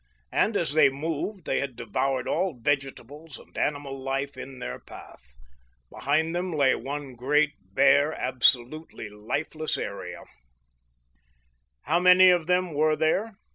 And, as they moved, they had devoured all vegetables and animal life in their path. Behind them lay one great bare, absolutely lifeless area. How many of them were there?